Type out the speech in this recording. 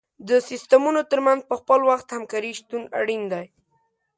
د سیستمونو تر منځ په خپل وخت همکاري شتون اړین دی.